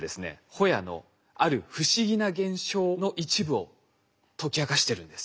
ホヤのある不思議な現象の一部を解き明かしてるんです。